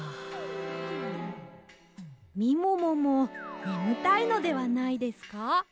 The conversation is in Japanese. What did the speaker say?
みもももねむたいのではないですか？